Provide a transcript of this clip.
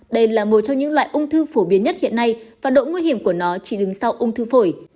đây là một trong những loại ung thư phổ biến nhất hiện nay và độ nguy hiểm của nó chỉ đứng sau ung thư phổi